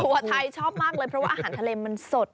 หัวไทยชอบมากเลยเพราะว่าอาหารทะเลมันสด